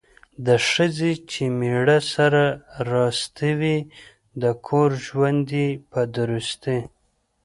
د ښځې چې میړه سره راستي وي ،د کور ژوند یې په درستي